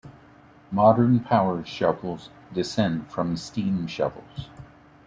Modern power shovels descend from steam shovels.